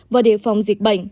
và để phòng dịch bệnh